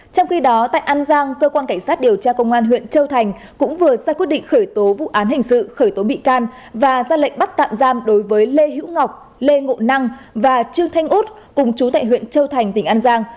trong khi đó tại an giang cơ quan cảnh sát điều tra công an huyện châu thành cũng vừa ra quyết định khởi tố vụ án hình sự khởi tố bị can và ra lệnh bắt tạm giam đối với lê hữu ngọc lê ngộ năng và trương thanh út cùng chú tại huyện châu thành tỉnh an giang